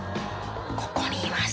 ここにいます。